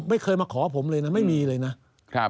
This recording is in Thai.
ไม่เคยมาขอผมเลยนะไม่มีเลยนะ